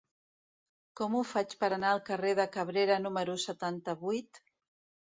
Com ho faig per anar al carrer de Cabrera número setanta-vuit?